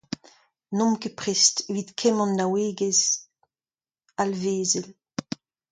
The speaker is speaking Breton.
N'omp ket prest evit kemm an naouegezh alvezel.